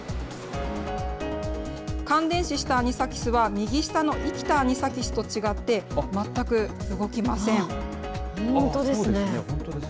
感電死したアニサキスは、右下の生きたアニサキスと違って、全く本当ですね。